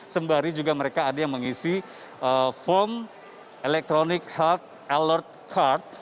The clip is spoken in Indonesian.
sembari juga mereka ada yang mengisi form electronic health alert card